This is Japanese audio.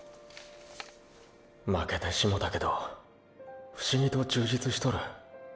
負けてしもたけど不思議と充実しとる。